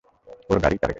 ওর গাড়িই টার্গেট।